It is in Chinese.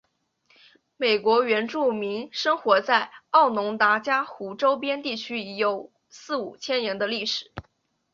美国原住民生活在奥农达伽湖周边地区已有四五千年的历史。